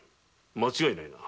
間違いないな。